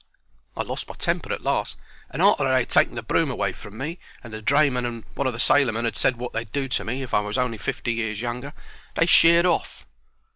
I lost my temper at last, and, arter they 'ad taken the broom away from me and the drayman and one o' the sailormen 'ad said wot they'd do to me if I was on'y fifty years younger, they sheered off.